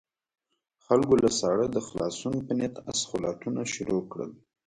خلکو له ساړه د خلاصون په نيت اسخولاتونه شروع کړل.